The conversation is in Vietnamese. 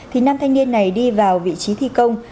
thì nam thanh niên này đi vào vị trí thi công